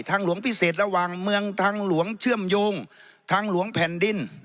หลวงพิเศษระหว่างเมืองทางหลวงเชื่อมโยงทางหลวงแผ่นดิน